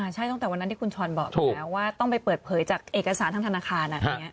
ใช่ตั้งแต่วันนั้นที่คุณช้อนบอกถูกแล้วว่าต้องไปเปิดเผยจากเอกสารทางธนาคาร